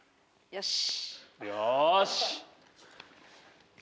よし！